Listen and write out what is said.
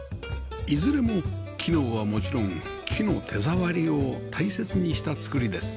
いずれも機能はもちろん木の手触りを大切にした作りです